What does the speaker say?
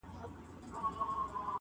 د اوښکو شپه څنګه پر څوکه د باڼه تېرېږي-